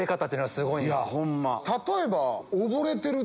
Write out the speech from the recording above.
例えば。